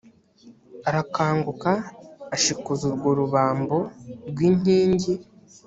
arakanguka ashikuza urwo rubambo rw inkingi